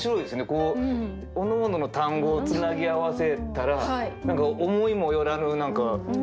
こうおのおのの単語をつなぎ合わせたら思いも寄らぬ何か。